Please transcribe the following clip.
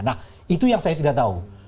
nah itu yang saya tidak tahu